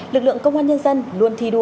lực lượng công an nhân dân luôn thi đua